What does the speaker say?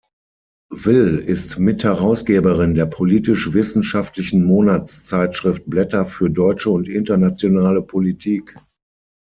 Will ist Mitherausgeberin der politisch-wissenschaftlichen Monatszeitschrift "Blätter für deutsche und internationale Politik.